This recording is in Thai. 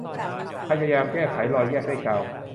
พยายามแก้ไขรอยแยกด้วยกาว